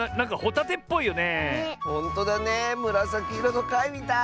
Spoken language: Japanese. むらさきいろのかいみたい！